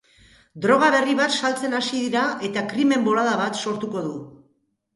Droga berri bat saltzen hasi dira eta krimen-bolada bat sortuko du.